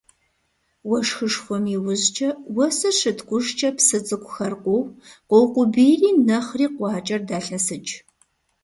Уэшхышхуэм иужькӀэ, уэсыр щыткӀужкӀэ псы цӀыкӀухэр къоу, къоукъубийри нэхъри къуакӀэр далъэсыкӀ.